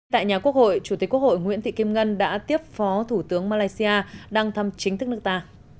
tại nhà quốc hội chủ tịch quốc hội nguyễn thị kim ngân đã tiếp phó thủ tướng malaysia đang thăm chính thức nước ta